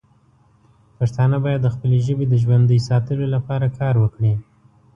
پښتانه باید د خپلې ژبې د ژوندی ساتلو لپاره کار وکړي.